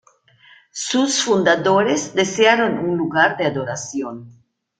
Sus fundadores desearon un lugar de adoración.